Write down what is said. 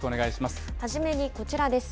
初めにこちらです。